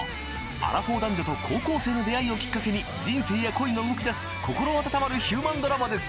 アラフォー男女と高校生の出会いをきっかけに人生や恋が動き出す心温まるヒューマンドラマです。